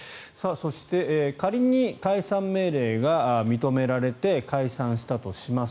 仮に解散命令が認められて解散したとします。